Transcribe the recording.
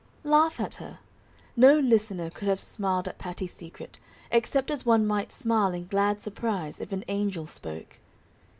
Laugh at her! No listener could have smiled at Patty's secret, except as one might smile in glad surprise if an angel spoke.